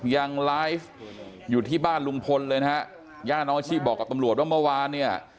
ยังไลฟ์อยู่ที่บ้านลุงพลเลยนะฮะย่าน้องอาชีพบอกกับตำรวจว่าเมื่อวานเนี่ย